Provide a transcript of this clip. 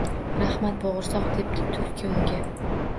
— Rahmat, bo’g’irsoq, — debdi tulki unga